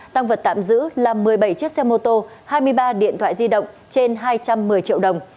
tăng vật tạm giữ là một mươi bảy chiếc xe mô tô hai mươi ba điện thoại di động trên hai trăm một mươi triệu đồng